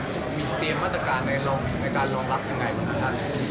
จะมีเตรียมมาตรการในการรองรับยังไงบ้างครับท่าน